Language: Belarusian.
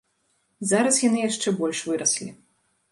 Зараз яны яшчэ больш выраслі.